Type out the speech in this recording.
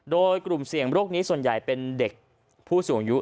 โดยกลุ่มเสี่ยงโรคนี้ส่วนใหญ่เป็นเด็กผู้สูงอายุ